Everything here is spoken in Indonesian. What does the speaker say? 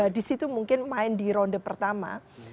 di situ mungkin main di ronde pertama